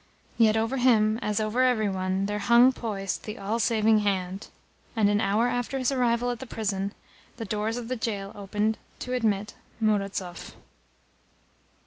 Yet over him, as over every one, there hung poised the All Saving Hand; and, an hour after his arrival at the prison, the doors of the gaol opened to admit Murazov.